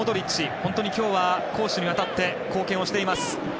本当に今日は攻守にわたって貢献をしています。